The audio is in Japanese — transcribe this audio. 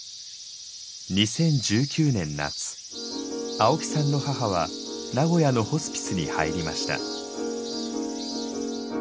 青木さんの母は名古屋のホスピスに入りました。